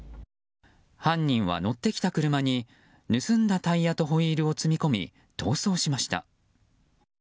犯人は乗ってきた車に盗んだタイヤとホイールを積み込み逃走しました。